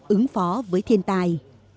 ứng phó với thiên tai